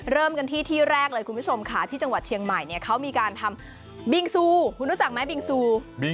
เริ่มกันที่ที่แรกเลยคุณผู้ชมค่ะที่สมวัสดีเชียงใหม่เนี่ยเขามีการบิ้งซูคุณนึกจังมั้ยบิ้งซู